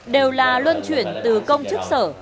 đều là luân chuyển từ công chức sở